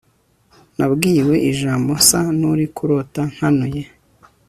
nabwiwe ijambo nsa n'uri kurota nkanuye